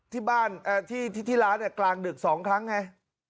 ที่บ้านที่ร้านกลางดึก๒ครั้งไง